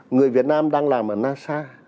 người việt nam đang làm ở nasa